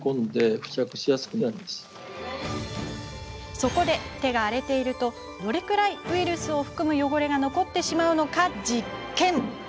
そこで、手が荒れているとどれくらいウイルスを含む汚れが残ってしまうのか実験。